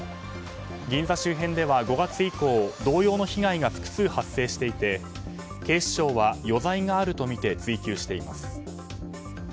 銀座周辺では５月以降同様の被害が複数発生していて警視庁は余罪があるとみて追及しています。